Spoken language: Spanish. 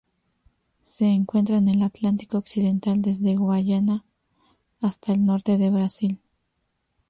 Se encuentra en el Atlántico occidental: desde Guayana hasta el norte del Brasil.